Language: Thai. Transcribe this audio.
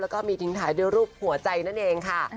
แล้วก็มีทิ้งท้ายด้วยรูปหัวใจนั่นเองค่ะ